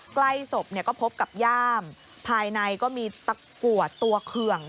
ใกล้ศพเนี่ยก็พบกับย่ามภายในก็มีตะกัวตัวเคือง